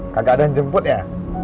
kagak ada yang jemput ya